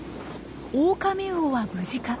オオカミウオは無事か。